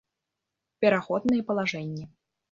Пераходныя палажэннi